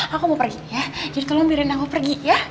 aku mau pergi ya jadi tolong biarin aku pergi ya